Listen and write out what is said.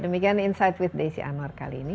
demikian insight with desi anwar kali ini